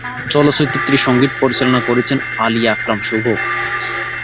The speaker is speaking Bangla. চলচ্চিত্রটির সঙ্গীত পরিচালনা করেছেন আলী আকরাম শুভ।